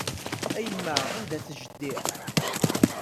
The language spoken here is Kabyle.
A yemma, anda-t jeddi?